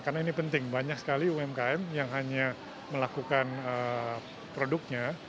karena ini penting banyak sekali umkm yang hanya melakukan produknya